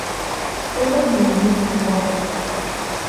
То бок змяніць колер.